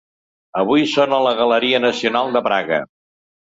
Avui són a la Galeria Nacional de Praga.